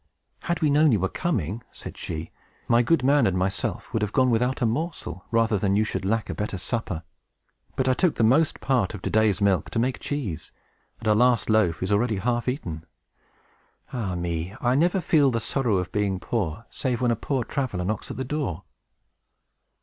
"Had we known you were coming," said she, "my good man and myself would have gone without a morsel, rather than you should lack a better supper. But I took the most part of to day's milk to make cheese; and our last loaf is already half eaten. Ah me! I never feel the sorrow of being poor, save when a poor traveler knocks at our door."